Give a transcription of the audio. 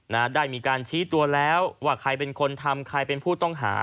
นะได้มีการชี้ตัวแล้วว่าใครเป็นคนทำใครเป็นผู้ต้องหา